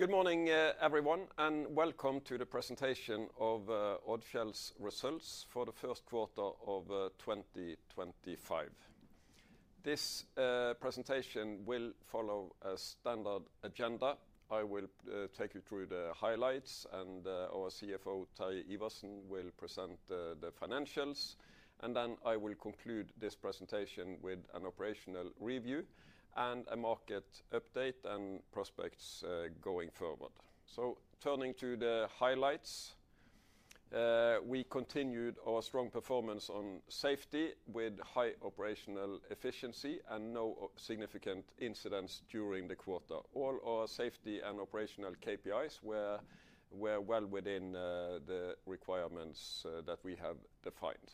Good morning, everyone, and welcome to the presentation of Odfjell's results for the first quarter of 2025. This presentation will follow a standard agenda. I will take you through the highlights, and our CFO, Terje Iversen, will present the financials. I will conclude this presentation with an operational review and a market update and prospects going forward. Turning to the highlights, we continued our strong performance on safety with high operational efficiency and no significant incidents during the quarter. All our safety and operational KPIs were well within the requirements that we have defined.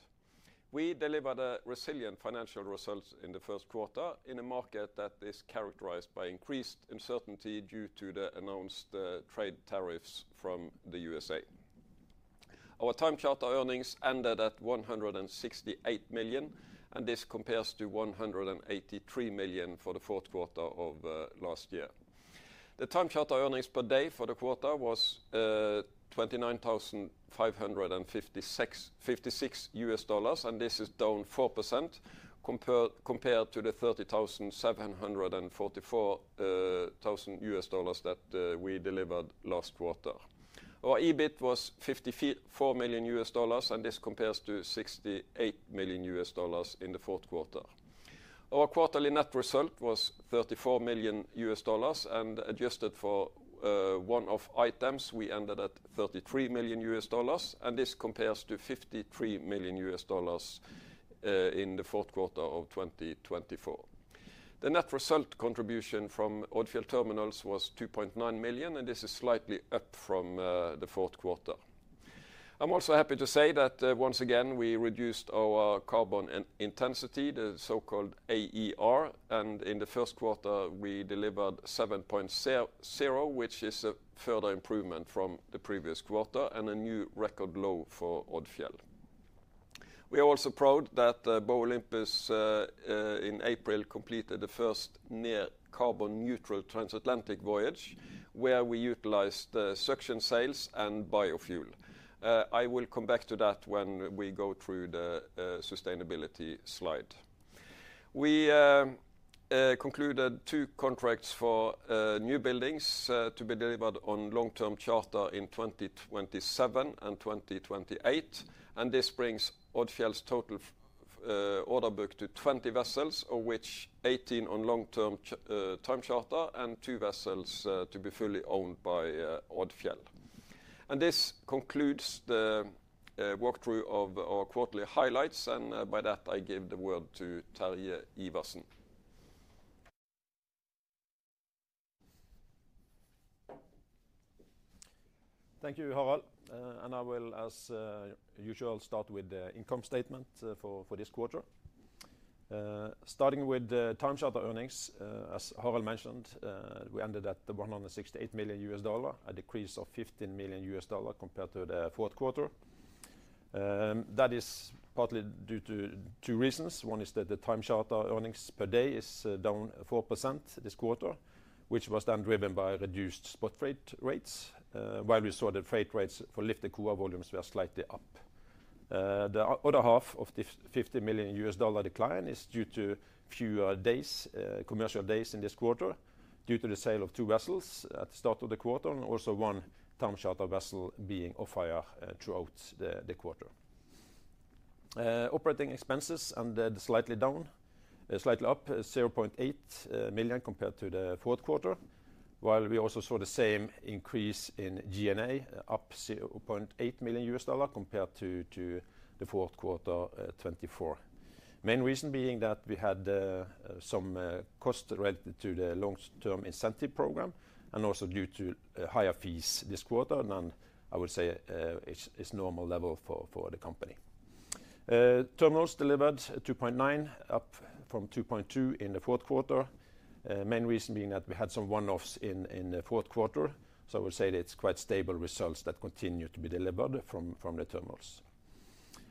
We delivered resilient financial results in the first quarter in a market that is characterized by increased uncertainty due to the announced trade tariffs from the US. Our time charter earnings ended at $168 million, and this compares to $183 million for the fourth quarter of last year. The time charter earnings per day for the quarter was $29,556, and this is down 4% compared to the $30,744 that we delivered last quarter. Our EBIT was $54 million, and this compares to $68 million in the fourth quarter. Our quarterly net result was $34 million, and adjusted for one-off items, we ended at $33 million, and this compares to $53 million in the fourth quarter of 2024. The net result contribution from Odfjell Terminals was $2.9 million, and this is slightly up from the fourth quarter. I'm also happy to say that once again we reduced our carbon intensity, the so-called AER, and in the first quarter we delivered 7.0, which is a further improvement from the previous quarter and a new record low for Odfjell. We are also proud that Bow Olympus in April completed the first near carbon neutral transatlantic voyage, where we utilized suction sails and biofuel. I will come back to that when we go through the sustainability slide. We concluded two contracts for new buildings to be delivered on long-term charter in 2027 and 2028, and this brings Odfjell's total order book to 20 vessels, of which 18 on long-term time charter and two vessels to be fully owned by Odfjell. This concludes the walkthrough of our quarterly highlights, and by that I give the word to Terje Iversen. Thank you, Harald. I will, as usual, start with the income statement for this quarter. Starting with time charter earnings, as Harald mentioned, we ended at $168 million, a decrease of $15 million compared to the fourth quarter. That is partly due to two reasons. One is that the time charter earnings per day is down 4% this quarter, which was then driven by reduced spot freight rates, while we saw the freight rates for lifted cargo volumes were slightly up. The other half of the $15 million decline is due to fewer commercial days in this quarter, due to the sale of two vessels at the start of the quarter and also one time charter vessel being off-hire throughout the quarter. Operating expenses ended slightly up, $0.8 million compared to the fourth quarter, while we also saw the same increase in G&A, up $0.8 million compared to the fourth quarter 2024. Main reason being that we had some costs related to the long-term incentive program and also due to higher fees this quarter than I would say is normal level for the company. Terminals delivered $2.9 million, up from $2.2 million in the fourth quarter, main reason being that we had some one-offs in the fourth quarter, so I would say it's quite stable results that continue to be delivered from the terminals.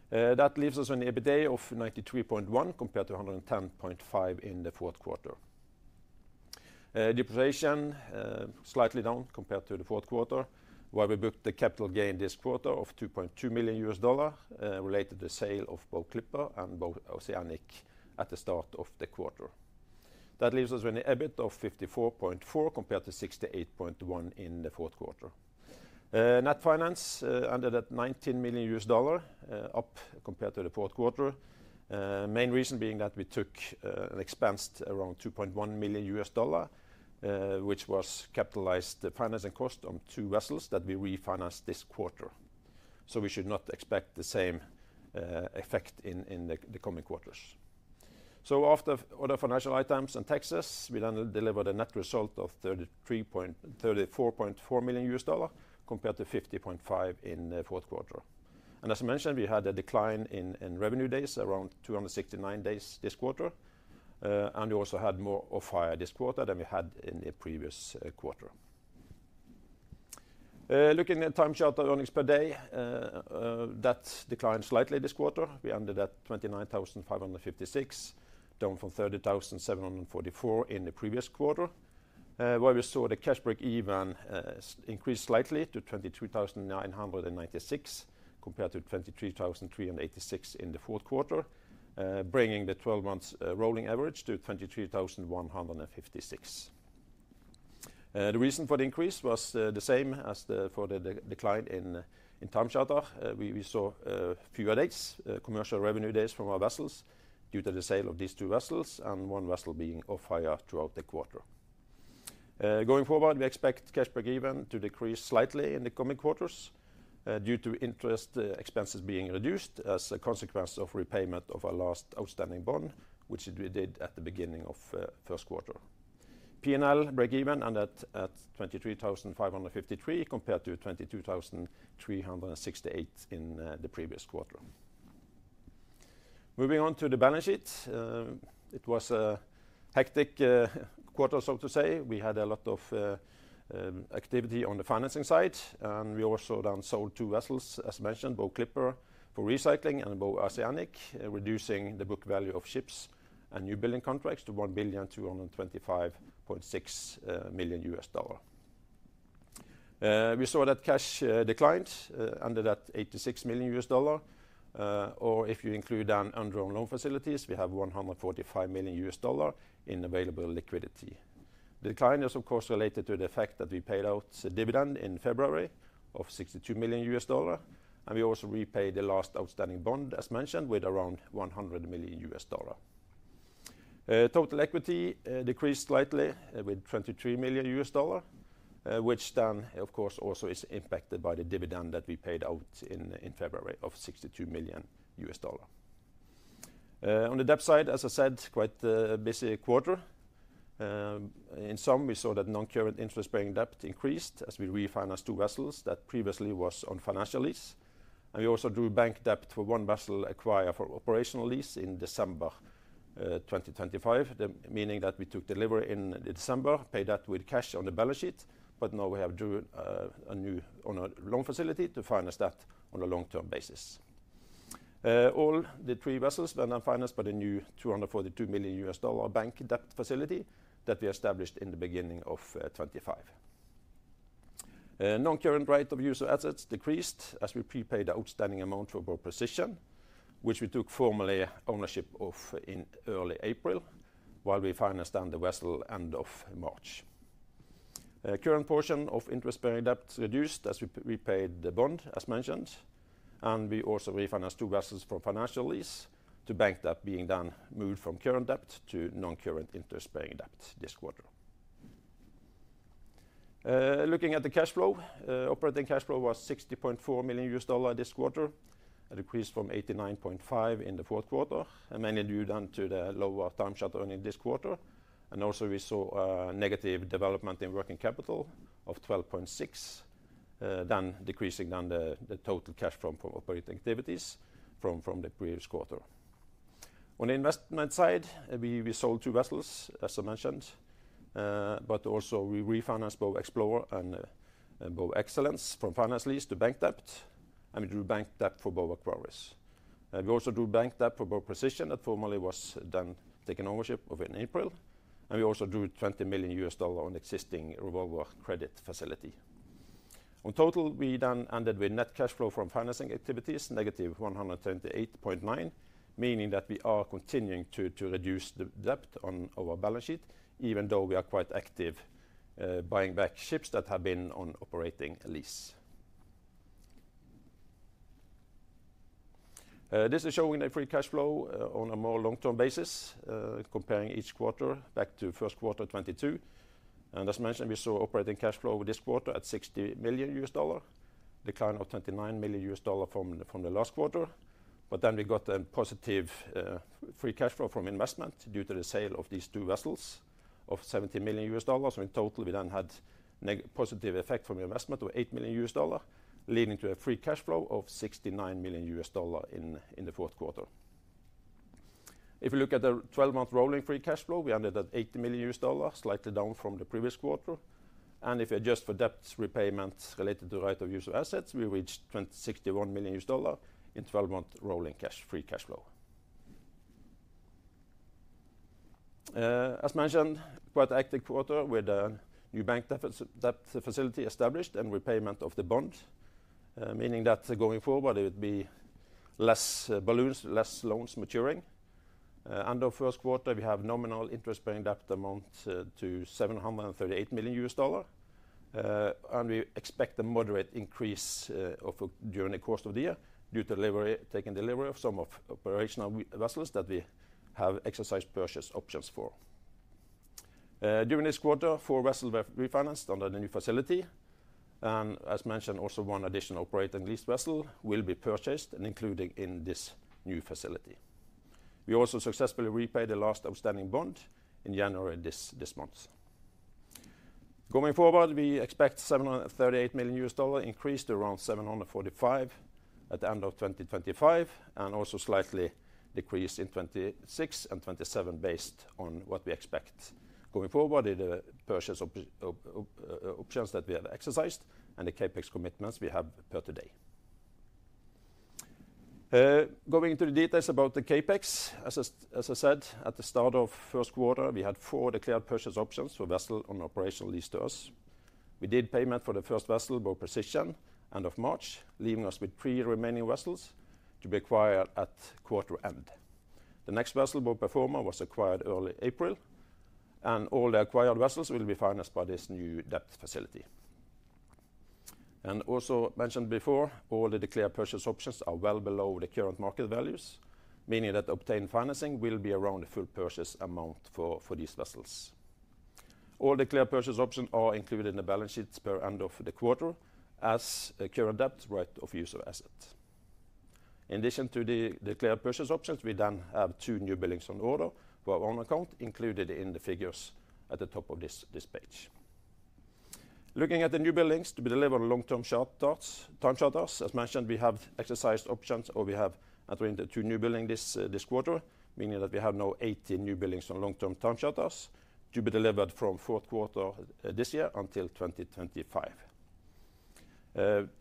That leaves us on EBITDA of $93.1 million compared to $110.5 million in the fourth quarter. Depreciation slightly down compared to the fourth quarter, while we booked a capital gain this quarter of $2.2 million related to the sale of Bow Clipper and Bow Oceanic at the start of the quarter. That leaves us with an EBIT of $54.4 million compared to $68.1 million in the fourth quarter. Net finance ended at $19 million, up compared to the fourth quarter, main reason being that we took and expensed around $2.1 million, which was capitalized financing cost on two vessels that we refinanced this quarter, so we should not expect the same effect in the coming quarters. After other financial items and taxes, we then delivered a net result of $34.4 million compared to $50.5 million in the fourth quarter. As I mentioned, we had a decline in revenue days, around 269 days this quarter, and we also had more off-hire this quarter than we had in the previous quarter. Looking at time charter earnings per day, that declined slightly this quarter. We ended at $29,556, down from $30,744 in the previous quarter, while we saw the cash break-even increase slightly to $22,996 compared to $23,386 in the fourth quarter, bringing the 12-month rolling average to $23,156. The reason for the increase was the same as for the decline in time charter. We saw fewer commercial revenue days from our vessels due to the sale of these two vessels and one vessel being off-hire throughout the quarter. Going forward, we expect cash break-even to decrease slightly in the coming quarters due to interest expenses being reduced as a consequence of repayment of our last outstanding bond, which we did at the beginning of the first quarter. P&L break-even ended at $23,553 compared to $22,368 in the previous quarter. Moving on to the balance sheet, it was a hectic quarter, so to say. We had a lot of activity on the financing side, and we also then sold two vessels, as mentioned, Bow Clipper for recycling and Bow Oceanic, reducing the book value of ships and newbuilding contracts to $1,225.6 million. We saw that cash declined under that $86 million, or if you include then undrawn loan facilities, we have $145 million in available liquidity. The decline is, of course, related to the fact that we paid out dividend in February of $62 million, and we also repaid the last outstanding bond, as mentioned, with around $100 million. Total equity decreased slightly with $23 million, which then, of course, also is impacted by the dividend that we paid out in February of $62 million. On the debt side, as I said, quite a busy quarter. In sum, we saw that non-current interest-bearing debt increased as we refinanced two vessels that previously were on financial lease, and we also drew bank debt for one vessel acquired for operational lease in December 2025, meaning that we took delivery in December, paid that with cash on the balance sheet, but now we have a new loan facility to finance that on a long-term basis. All the three vessels were then financed by the new $242 million US dollar bank debt facility that we established in the beginning of 2025. Non-current rate of use of assets decreased as we prepaid the outstanding amount for Boat Procision, which we took formal ownership of in early April, while we financed then the vessel end of March. Current portion of interest-bearing debt reduced as we repaid the bond, as mentioned, and we also refinanced two vessels for financial lease to bank debt being then moved from current debt to non-current interest-bearing debt this quarter. Looking at the cash flow, operating cash flow was $60.4 million this quarter, a decrease from $89.5 million in the fourth quarter, and mainly due then to the lower time charter earnings this quarter. We also saw a negative development in working capital of $12.6, then decreasing the total cash flow from operating activities from the previous quarter. On the investment side, we sold two vessels, as I mentioned, but also we refinanced Bow Explorer and Bow Excellence from finance lease to bank debt, and we drew bank debt for Bow Aquarius. We also drew bank debt for Bow Precision that formally was then taken ownership of in April, and we also drew $20 million on existing revolver credit facility. In total, we then ended with net cash flow from financing activities negative $128.9 million, meaning that we are continuing to reduce the debt on our balance sheet, even though we are quite active buying back ships that have been on operating lease. This is showing the free cash flow on a more long-term basis, comparing each quarter back to first quarter 2022. As mentioned, we saw operating cash flow this quarter at $60 million, a decline of $29 million from the last quarter, but we got a positive free cash flow from investment due to the sale of these two vessels of $70 million. In total, we then had a positive effect from investment of $8 million, leading to a free cash flow of $69 million in the fourth quarter. If we look at the 12-month rolling free cash flow, we ended at $80 million, slightly down from the previous quarter. If we adjust for debt repayment related to right of use of assets, we reached $61 million in 12-month rolling free cash flow. As mentioned, quite active quarter with a new bank debt facility established and repayment of the bond, meaning that going forward it would be less balloons, less loans maturing. End of first quarter, we have nominal interest-bearing debt amount to $738 million, and we expect a moderate increase during the course of the year due to taking delivery of some of operational vessels that we have exercised purchase options for. During this quarter, four vessels were refinanced under the new facility, and as mentioned, also one additional operating lease vessel will be purchased and included in this new facility. We also successfully repaid the last outstanding bond in January this month. Going forward, we expect $738 million increased to around $745 million at the end of 2025, and also slightly decreased in 2026 and 2027 based on what we expect going forward in the purchase options that we have exercised and the CapEx commitments we have per today. Going into the details about the CapEx, as I said, at the start of first quarter, we had four declared purchase options for vessels on operational lease to us. We did payment for the first vessel, Bow Precision, end of March, leaving us with three remaining vessels to be acquired at quarter end. The next vessel, Bow Performer, was acquired early April, and all the acquired vessels will be financed by this new debt facility. Also mentioned before, all the declared purchase options are well below the current market values, meaning that obtained financing will be around the full purchase amount for these vessels. All declared purchase options are included in the balance sheets per end of the quarter as current debt right of use of asset. In addition to the declared purchase options, we then have two new buildings on order for our own account included in the figures at the top of this page. Looking at the new buildings to be delivered on long-term time charters, as mentioned, we have exercised options or we have entered into two new buildings this quarter, meaning that we have now 18 new buildings on long-term time charters to be delivered from fourth quarter this year until 2025.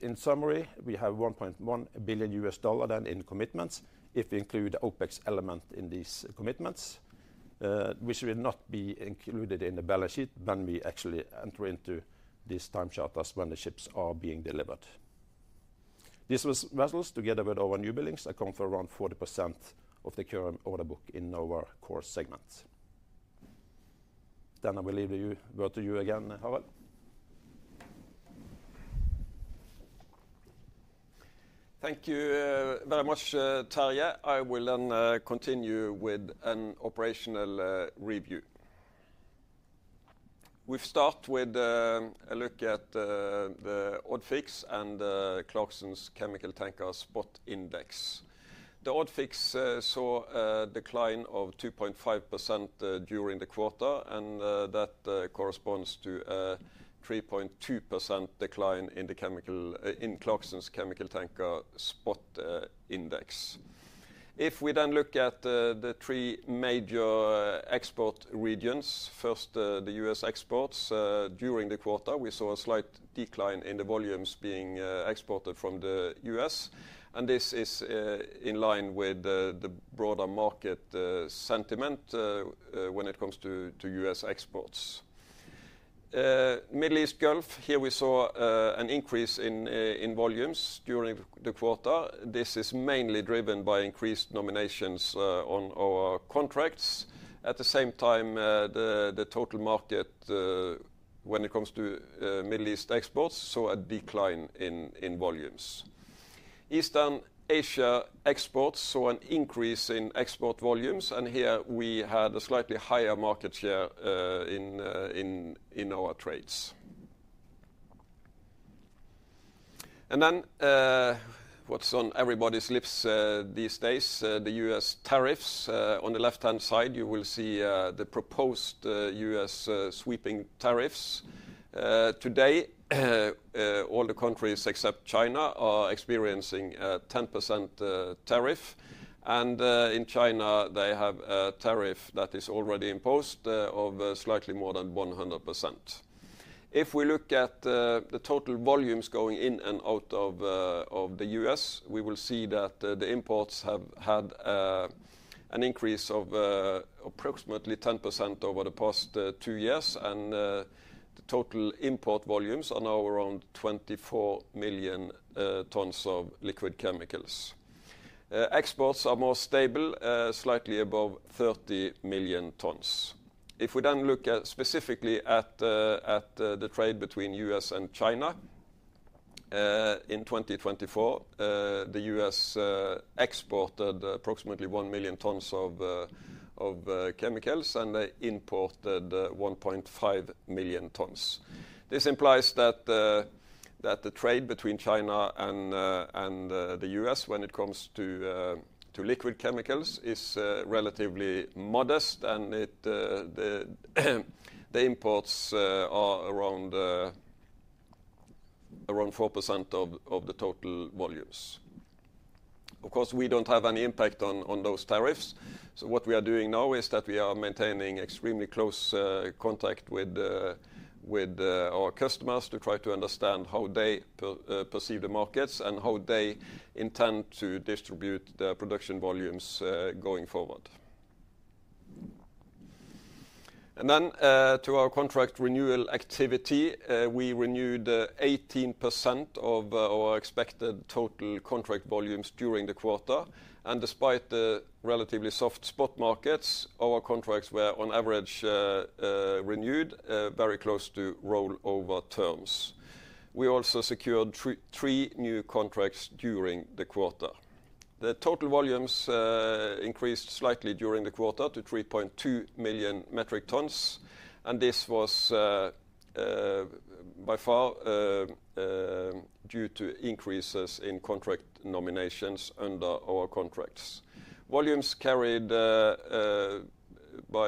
In summary, we have $1.1 billion then in commitments. If we include the OPEX element in these commitments, which will not be included in the balance sheet when we actually enter into these time charters when the ships are being delivered. These vessels, together with our new buildings, account for around 40% of the current order book in our core segment. I will leave the word to you again, Harald. Thank you very much, Terje. I will then continue with an operational review. We have started with a look at the Odfix and Clarksons Chemical Tanker Spot Index. The Odfix saw a decline of 2.5% during the quarter, and that corresponds to a 3.2% decline in Clarksons Chemical Tanker Spot Index. If we then look at the three major export regions, first the US exports, during the quarter, we saw a slight decline in the volumes being exported from the US, and this is in line with the broader market sentiment when it comes to US exports. Middle East Gulf, here we saw an increase in volumes during the quarter. This is mainly driven by increased nominations on our contracts. At the same time, the total market when it comes to Middle East exports saw a decline in volumes. Eastern Asia exports saw an increase in export volumes, and here we had a slightly higher market share in our trades. What's on everybody's lips these days, the US tariffs. On the left-hand side, you will see the proposed US sweeping tariffs. Today, all the countries except China are experiencing a 10% tariff, and in China, they have a tariff that is already imposed of slightly more than 100%. If we look at the total volumes going in and out of the US, we will see that the imports have had an increase of approximately 10% over the past two years, and the total import volumes are now around 24 million tons of liquid chemicals. Exports are more stable, slightly above 30 million tons. If we then look specifically at the trade between US and China, in 2024, the US exported approximately 1 million tons of chemicals and they imported 1.5 million tons. This implies that the trade between China and the US when it comes to liquid chemicals is relatively modest, and the imports are around 4% of the total volumes. Of course, we do not have any impact on those tariffs, so what we are doing now is that we are maintaining extremely close contact with our customers to try to understand how they perceive the markets and how they intend to distribute their production volumes going forward. Through our contract renewal activity, we renewed 18% of our expected total contract volumes during the quarter, and despite the relatively soft spot markets, our contracts were on average renewed very close to rollover terms. We also secured three new contracts during the quarter. The total volumes increased slightly during the quarter to 3.2 million metric tons, and this was by far due to increases in contract nominations under our contracts. Volumes carried by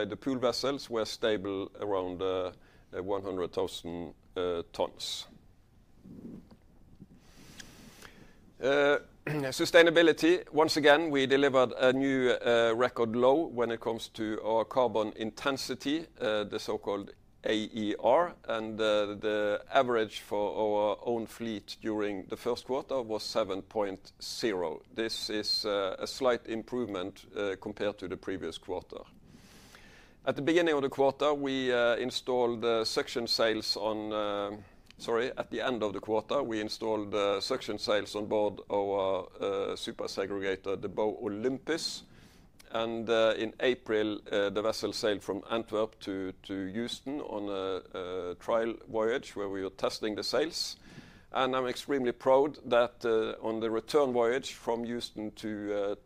the pool vessels were stable around 100,000 tons. Sustainability, once again, we delivered a new record low when it comes to our carbon intensity, the so-called AER, and the average for our own fleet during the first quarter was 7.0. This is a slight improvement compared to the previous quarter. At the beginning of the quarter, we installed suction sails on, sorry, at the end of the quarter, we installed suction sails on board our Super Segregator, the Bow Olympus, and in April, the vessel sailed from Antwerp to Houston on a trial voyage where we were testing the sails. I'm extremely proud that on the return voyage from Houston to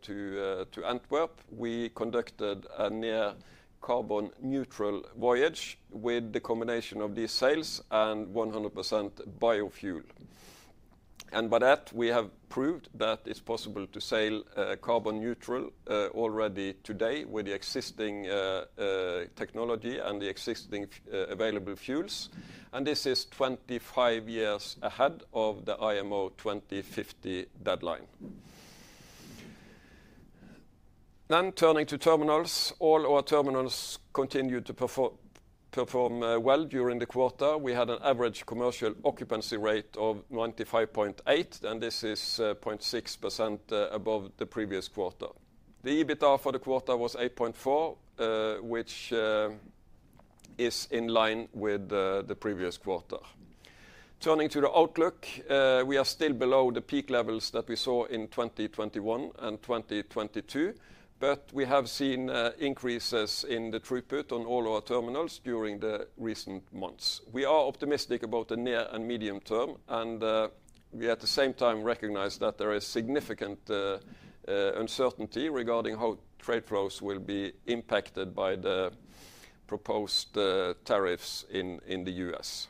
Antwerp, we conducted a near carbon neutral voyage with the combination of these sails and 100% biofuel. By that, we have proved that it's possible to sail carbon neutral already today with the existing technology and the existing available fuels, and this is 25 years ahead of the IMO 2050 deadline. Turning to terminals, all our terminals continued to perform well during the quarter. We had an average commercial occupancy rate of 95.8%, and this is 0.6% above the previous quarter. The EBITDA for the quarter was $8.4 million, which is in line with the previous quarter. Turning to the outlook, we are still below the peak levels that we saw in 2021 and 2022, but we have seen increases in the throughput on all our terminals during the recent months. We are optimistic about the near and medium term, and we at the same time recognize that there is significant uncertainty regarding how trade flows will be impacted by the proposed tariffs in the U.S.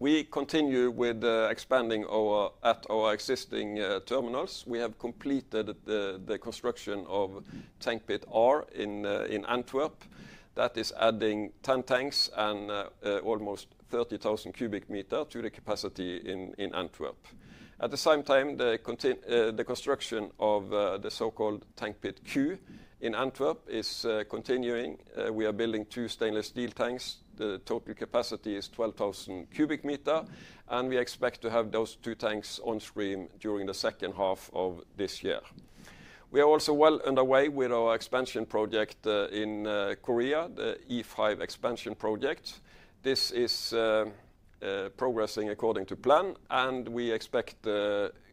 We continue with expanding at our existing terminals. We have completed the construction of Tank Pit R in Antwerp. That is adding 10 tanks and almost 30,000 cubic meters to the capacity in Antwerp. At the same time, the construction of the so-called Tank Pit Q in Antwerp is continuing. We are building two stainless steel tanks. The total capacity is 12,000 cubic meters, and we expect to have those two tanks on screen during the second half of this year. We are also well underway with our expansion project in Korea, the E5 expansion project. This is progressing according to plan, and we expect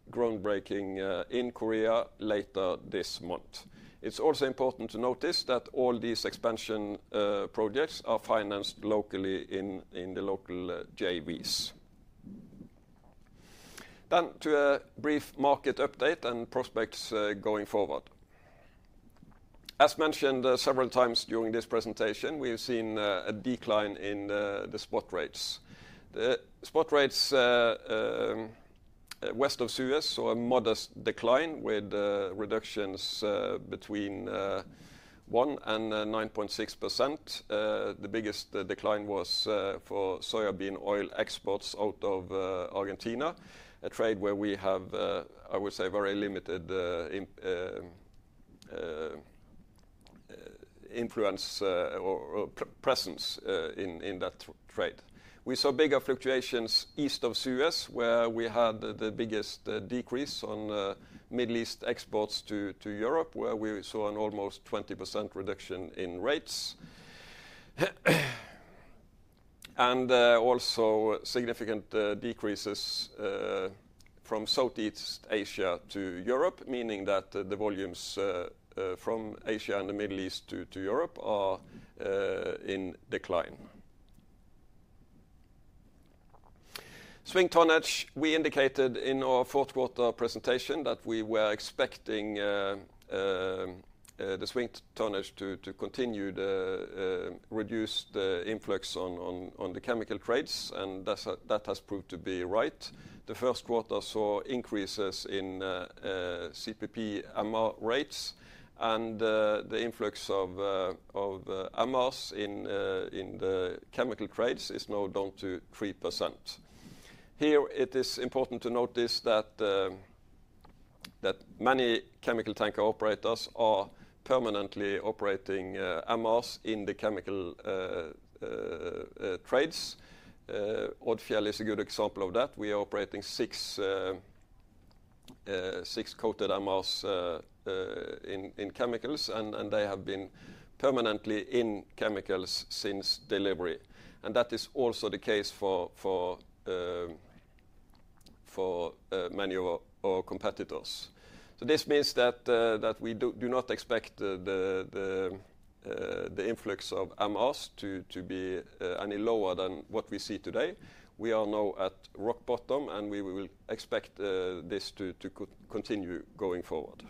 groundbreaking in Korea later this month. It's also important to notice that all these expansion projects are financed locally in the local JVs. Then to a brief market update and prospects going forward. As mentioned several times during this presentation, we've seen a decline in the spot rates. The spot rates west of Suez saw a modest decline with reductions between 1% and 9.6%. The biggest decline was for soybean oil exports out of Argentina, a trade where we have, I would say, very limited influence or presence in that trade. We saw bigger fluctuations east of Suez, where we had the biggest decrease on Middle East exports to Europe, where we saw an almost 20% reduction in rates. Also significant decreases from Southeast Asia to Europe, meaning that the volumes from Asia and the Middle East to Europe are in decline. Swing tonnage, we indicated in our fourth quarter presentation that we were expecting the swing tonnage to continue to reduce the influx on the chemical trades, and that has proved to be right. The first quarter saw increases in CPP/MR rates, and the influx of MRs in the chemical trades is now down to 3%. Here, it is important to notice that many chemical tanker operators are permanently operating MRs in the chemical trades. Odfjell is a good example of that. We are operating six coated MRs in chemicals, and they have been permanently in chemicals since delivery. That is also the case for many of our competitors. This means that we do not expect the influx of MRs to be any lower than what we see today. We are now at rock bottom, and we will expect this to continue going forward.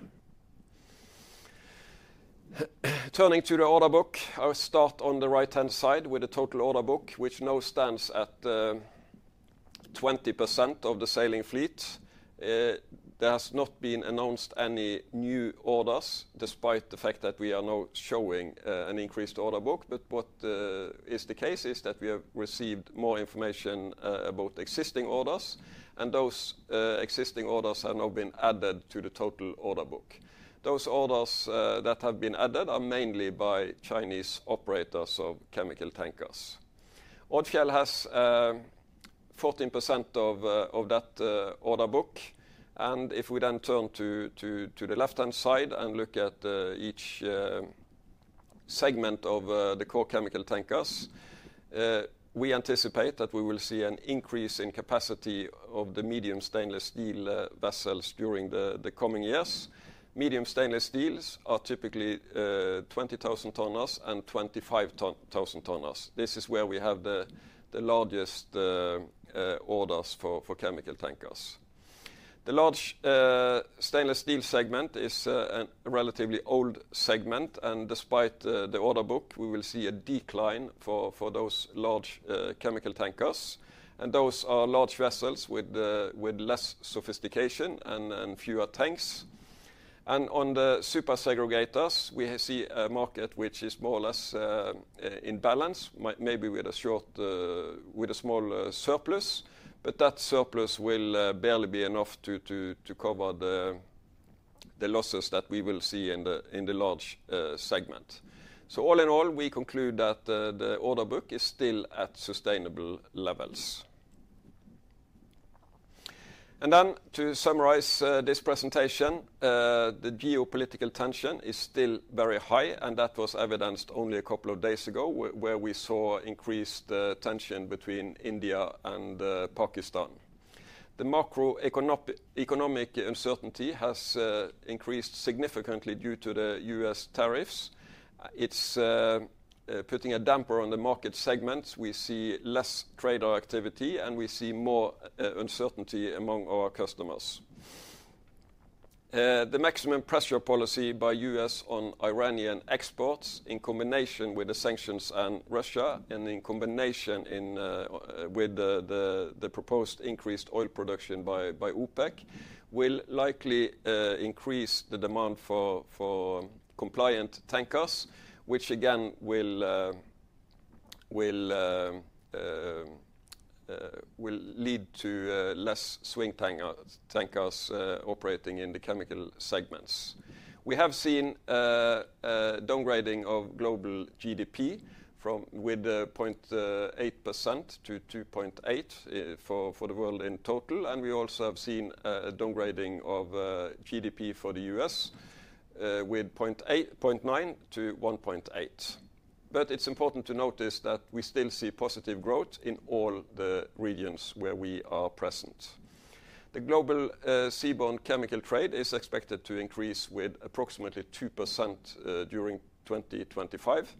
Turning to the order book, I'll start on the right-hand side with the total order book, which now stands at 20% of the sailing fleet. There has not been announced any new orders despite the fact that we are now showing an increased order book, but what is the case is that we have received more information about existing orders, and those existing orders have now been added to the total order book. Those orders that have been added are mainly by Chinese operators of chemical tankers. Odfjell has 14% of that order book, and if we then turn to the left-hand side and look at each segment of the core chemical tankers, we anticipate that we will see an increase in capacity of the medium stainless steel vessels during the coming years. Medium stainless steels are typically 20,000-tonners and 25,000-tonners. This is where we have the largest orders for chemical tankers. The large stainless steel segment is a relatively old segment, and despite the order book, we will see a decline for those large chemical tankers, and those are large vessels with less sophistication and fewer tanks. On the Super Segregators, we see a market which is more or less in balance, maybe with a small surplus, but that surplus will barely be enough to cover the losses that we will see in the large segment. All in all, we conclude that the order book is still at sustainable levels. To summarize this presentation, the geopolitical tension is still very high, and that was evidenced only a couple of days ago where we saw increased tension between India and Pakistan. The macroeconomic uncertainty has increased significantly due to the US tariffs. It's putting a damper on the market segments. We see less trade activity, and we see more uncertainty among our customers. The maximum pressure policy by the U.S. on Iranian exports in combination with the sanctions on Russia and in combination with the proposed increased oil production by OPEC will likely increase the demand for compliant tankers, which again will lead to less swing tankers operating in the chemical segments. We have seen a downgrading of global GDP from 0.8% to 2.8% for the world in total, and we also have seen a downgrading of GDP for the U.S. with 0.9% to 1.8%. It is important to notice that we still see positive growth in all the regions where we are present. The global seaborne chemical trade is expected to increase with approximately 2% during 2025,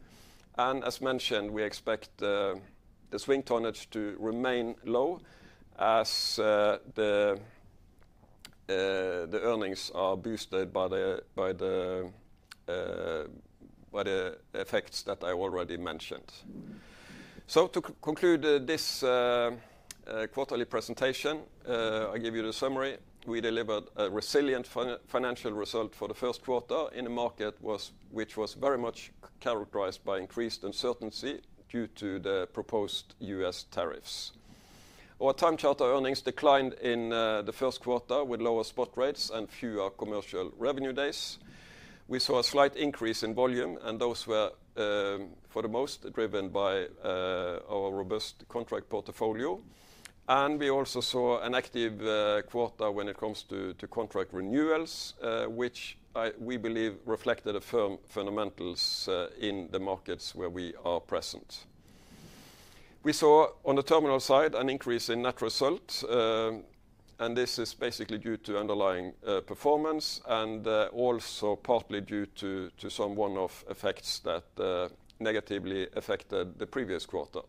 and as mentioned, we expect the swing tonnage to remain low as the earnings are boosted by the effects that I already mentioned. To conclude this quarterly presentation, I give you the summary. We delivered a resilient financial result for the first quarter in a market which was very much characterized by increased uncertainty due to the proposed US tariffs. Our time charter earnings declined in the first quarter with lower spot rates and fewer commercial revenue days. We saw a slight increase in volume, and those were for the most driven by our robust contract portfolio. We also saw an active quarter when it comes to contract renewals, which we believe reflected firm fundamentals in the markets where we are present. We saw on the terminal side an increase in net result, and this is basically due to underlying performance and also partly due to some one-off effects that negatively affected the previous quarter.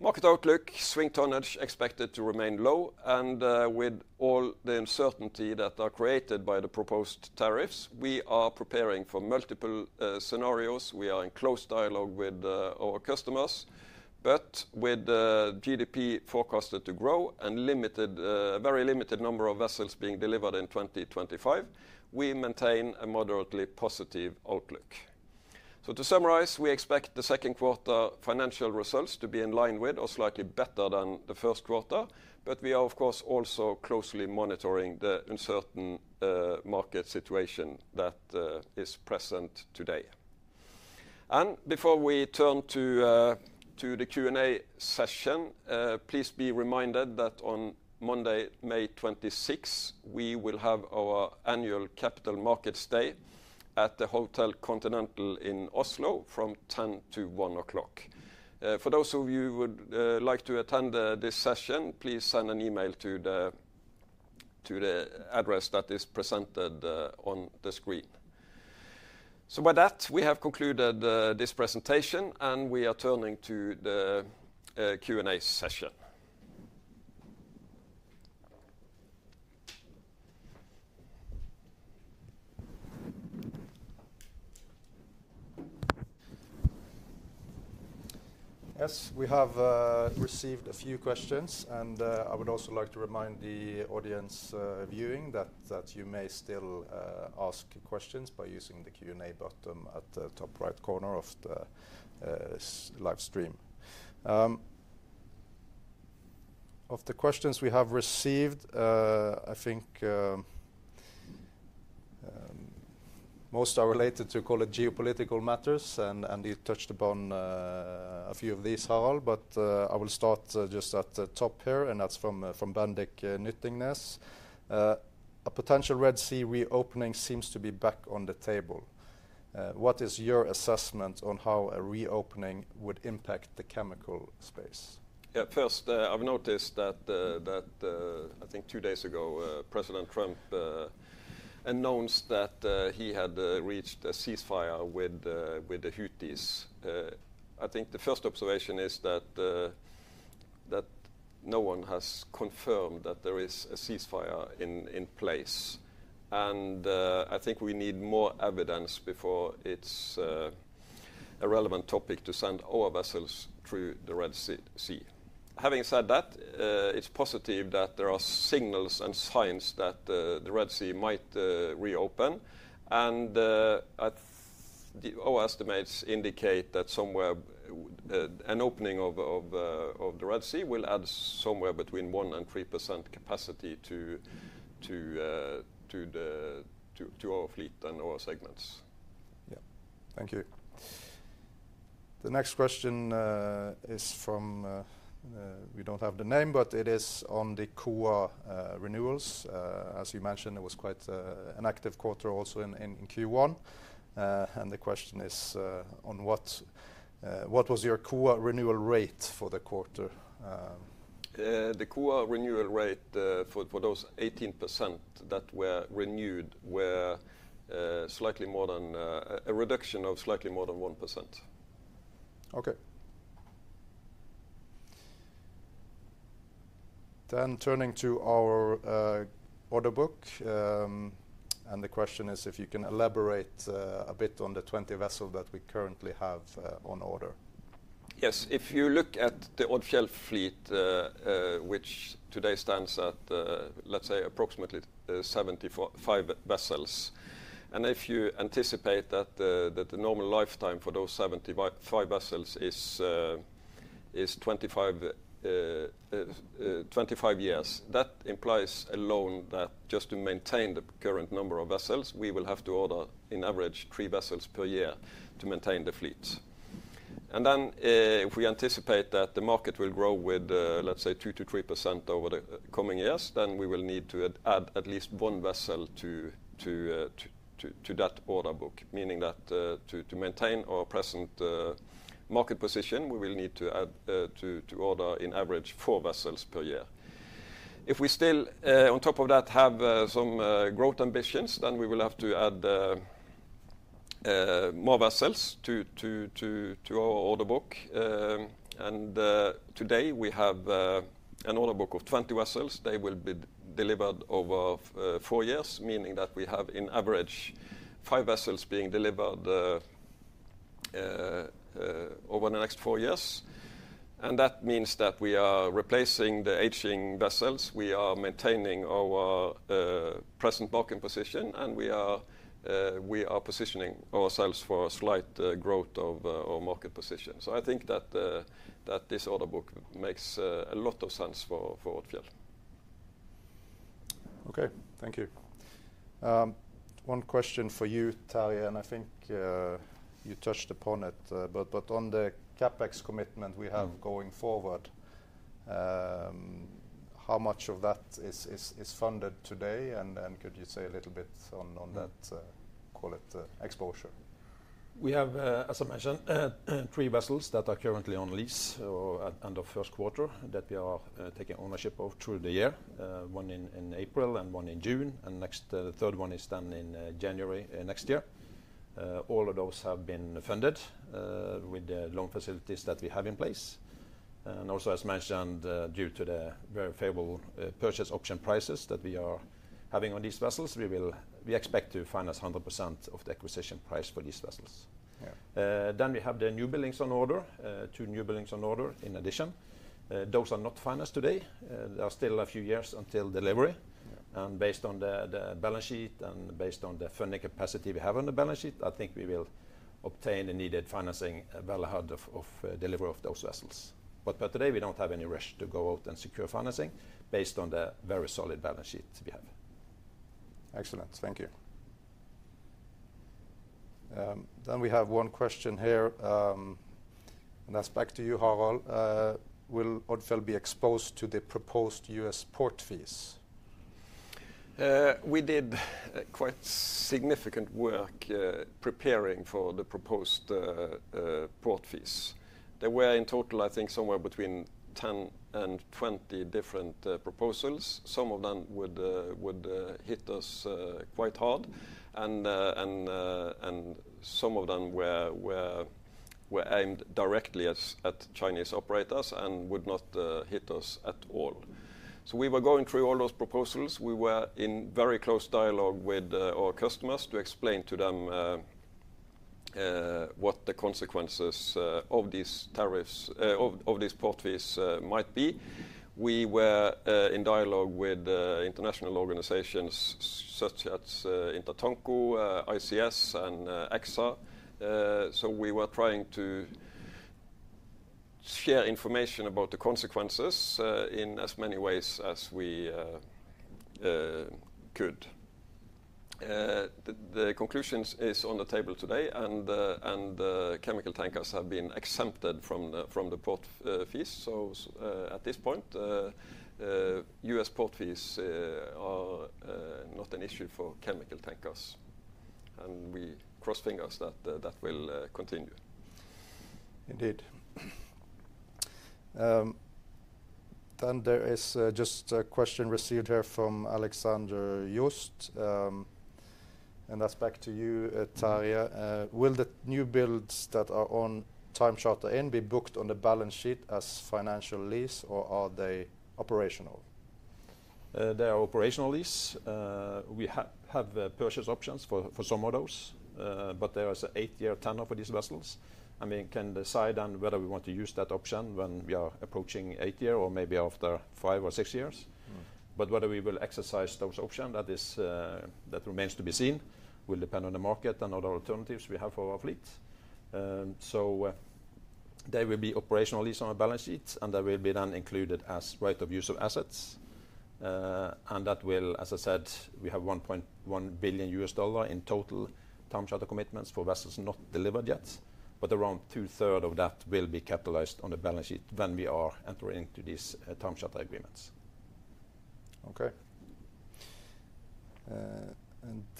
Market outlook: swing tonnage expected to remain low, and with all the uncertainty that are created by the proposed tariffs, we are preparing for multiple scenarios. We are in close dialogue with our customers, but with GDP forecasted to grow and a very limited number of vessels being delivered in 2025, we maintain a moderately positive outlook. To summarize, we expect the second quarter financial results to be in line with or slightly better than the first quarter, but we are, of course, also closely monitoring the uncertain market situation that is present today. Before we turn to the Q&A session, please be reminded that on Monday, May 26, we will have our annual Capital Markets Day at the Hotel Continental in Oslo from 10:00 A.M. to 1:00 P.M. For those of you who would like to attend this session, please send an email to the address that is presented on the screen. By that, we have concluded this presentation, and we are turning to the Q&A session. Yes, we have received a few questions, and I would also like to remind the audience viewing that you may still ask questions by using the Q&A button at the top right corner of the live stream. Of the questions we have received, I think most are related to, call it, geopolitical matters, and you touched upon a few of these, Harald, but I will start just at the top here, and that's from Bandic Nyttingnes. A potential Red Sea reopening seems to be back on the table. What is your assessment on how a reopening would impact the chemical space? Yeah, first, I've noticed that I think two days ago, President Trump announced that he had reached a ceasefire with the Houthis. I think the first observation is that no one has confirmed that there is a ceasefire in place, and I think we need more evidence before it's a relevant topic to send our vessels through the Red Sea. Having said that, it's positive that there are signals and signs that the Red Sea might reopen, and our estimates indicate that somewhere an opening of the Red Sea will add somewhere between 1% and 3% capacity to our fleet and our segments. Yeah, thank you. The next question is from, we don't have the name, but it is on the KUA renewals. As you mentioned, it was quite an active quarter also in Q1, and the question is on what was your KUA renewal rate for the quarter? The KUA renewal rate for those 18% that were renewed were slightly more than a reduction of slightly more than 1%. Okay. Turning to our order book, and the question is if you can elaborate a bit on the 20 vessels that we currently have on order. Yes, if you look at the Odfjell fleet, which today stands at, let's say, approximately 75 vessels, and if you anticipate that the normal lifetime for those 75 vessels is 25 years, that implies alone that just to maintain the current number of vessels, we will have to order in average three vessels per year to maintain the fleet. If you anticipate that the market will grow with, let's say, 2-3% over the coming years, we will need to add at least one vessel to that order book, meaning that to maintain our present market position, we will need to order in average four vessels per year. If we still, on top of that, have some growth ambitions, we will have to add more vessels to our order book, and today we have an order book of 20 vessels. They will be delivered over four years, meaning that we have in average five vessels being delivered over the next four years, and that means that we are replacing the aging vessels, we are maintaining our present market position, and we are positioning ourselves for a slight growth of our market position. I think that this order book makes a lot of sense for Odfjell. Okay, thank you. One question for you, Terje, and I think you touched upon it, but on the CapEx commitment we have going forward, how much of that is funded today, and could you say a little bit on that, call it, exposure? We have, as I mentioned, three vessels that are currently on lease at the end of first quarter that we are taking ownership of through the year, one in April and one in June, and the third one is done in January next year. All of those have been funded with the loan facilities that we have in place, and also, as mentioned, due to the very favorable purchase option prices that we are having on these vessels, we expect to finance 100% of the acquisition price for these vessels. We have the new buildings on order, two new buildings on order in addition. Those are not financed today. There are still a few years until delivery, and based on the balance sheet and based on the funding capacity we have on the balance sheet, I think we will obtain the needed financing well ahead of delivery of those vessels. Per today, we do not have any rush to go out and secure financing based on the very solid balance sheet we have. Excellent, thank you. We have one question here, and that is back to you, Harald. Will Odfjell be exposed to the proposed US port fees? We did quite significant work preparing for the proposed port fees. There were in total, I think, somewhere between 10 and 20 different proposals. Some of them would hit us quite hard, and some of them were aimed directly at Chinese operators and would not hit us at all. We were going through all those proposals. We were in very close dialogue with our customers to explain to them what the consequences of these port fees might be. We were in dialogue with international organizations such as Intertanko, ICS, and EXA. We were trying to share information about the consequences in as many ways as we could. The conclusion is on the table today, and chemical tankers have been exempted from the port fees. At this point, US port fees are not an issue for chemical tankers, and we cross fingers that that will continue. Indeed. There is just a question received here from Alexander Jørst, and that is back to you, Terje. Will the new builds that are on time charter of aim be booked on the balance sheet as financial lease, or are they operational? They are operational lease. We have purchase options for some of those, but there is an eight-year tenor for these vessels, and we can decide on whether we want to use that option when we are approaching eight years or maybe after five or six years. Whether we will exercise those options, that remains to be seen, will depend on the market and other alternatives we have for our fleet. They will be operational lease on the balance sheet, and they will be then included as right of use of assets. As I said, we have $1.1 billion in total time charter commitments for vessels not delivered yet, but around two-thirds of that will be capitalized on the balance sheet when we are entering into these time charter agreements. Okay.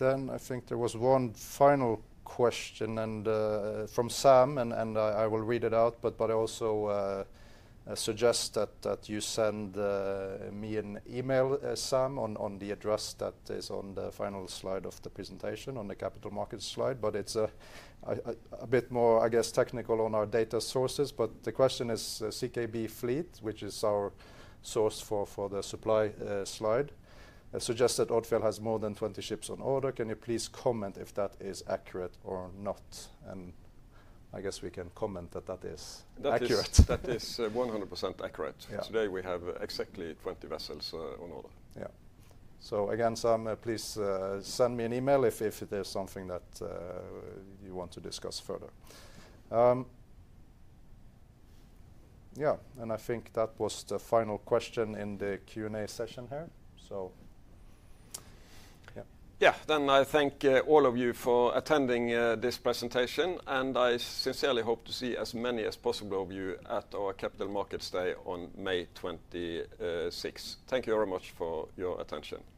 I think there was one final question from Sam, and I will read it out, but I also suggest that you send me an email, Sam, on the address that is on the final slide of the presentation, on the capital markets slide. It's a bit more, I guess, technical on our data sources. The question is CKB Fleet, which is our source for the supply slide, suggests that Odfjell has more than 20 ships on order. Can you please comment if that is accurate or not? I guess we can comment that that is accurate. That is 100% accurate. Today we have exactly 20 vessels on order. Yeah. Again, Sam, please send me an email if there's something that you want to discuss further. I think that was the final question in the Q&A session here. Yeah. Yeah, then I thank all of you for attending this presentation, and I sincerely hope to see as many as possible of you at our Capital Markets Day on May 26. Thank you very much for your attention.